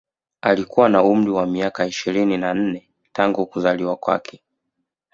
Alikuwa na umri wa miaka ishirini na nne tangu kuzaliwa kwake